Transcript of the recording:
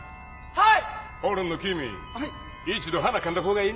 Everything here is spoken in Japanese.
はい！